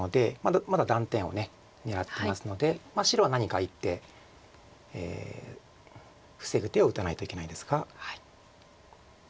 まだ断点を狙ってますので白は何か一手防ぐ手を打たないといけないですが。